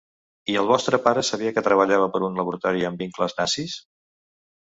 I el vostre pare sabia que treballava per un laboratori amb vincles nazis?